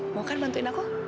mau kan bantuin aku